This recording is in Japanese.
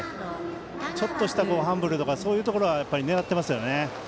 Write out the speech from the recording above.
ちょっとしたファンブルとかそういうところは狙っていますよね。